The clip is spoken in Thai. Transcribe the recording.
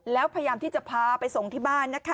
แล้วพยายามที่จะพาไปส่งที่บ้านนะคะ